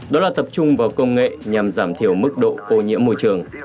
đó là tập trung vào công nghệ nhằm giảm thiểu mức độ ô nhiễm môi trường